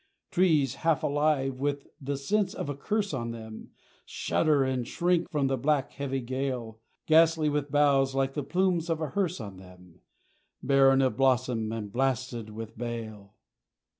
Trees half alive, with the sense of a curse on them, Shudder and shrink from the black heavy gale; Ghastly, with boughs like the plumes of a hearse on them: Barren of blossom and blasted with bale.